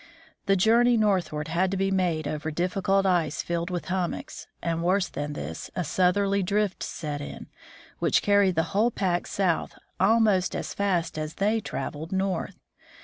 The journey northward had to be made over difficult ice filled with hummocks, and, worse than this, a southerly drift set in, which carried the whole pack south almost as fast as they traveled north.